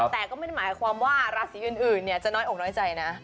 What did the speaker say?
แต่ก็ไม่ได้หมายความว่าราศีอื่นจะน้อยอกน้อยใจนะ